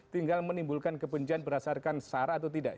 tinggal menimbulkan kebencian berdasarkan sara atau tidak